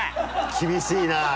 厳しいなぁ。